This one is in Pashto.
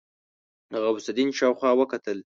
غوث الدين شاوخوا وکتل.